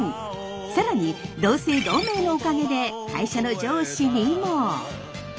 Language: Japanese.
更に同姓同名のおかげで会社の上司にも。